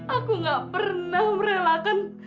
aku gak pernah merelakan